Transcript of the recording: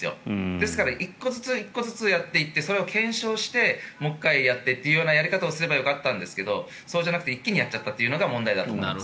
ですから１個ずつやっていってそれを検証してもう１回やってというやり方をすればよかったんですがそうじゃなくて一気にやっちゃったというのが問題だと思います。